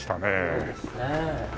そうですね